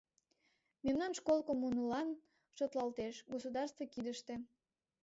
— Мемнан школ коммунылан шотлалтеш, государство кидыште.